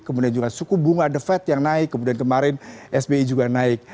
kemudian juga suku bunga the fed yang naik kemudian kemarin sbi juga naik